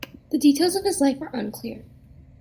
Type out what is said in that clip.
The details of his life are unclear.